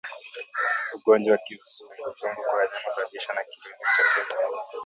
Ugonjwa wa kizunguzungu kwa wanyama husababishwa na kiluilui cha tegu